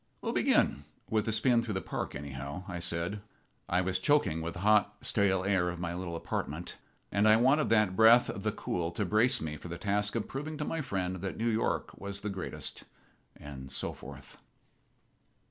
"We'll begin with the spin through the Park, anyhow," I said. I was choking with the hot, stale air of my little apartment, and I wanted that breath of the cool to brace me for the task of proving to my friend that New York was the greatest and so forth.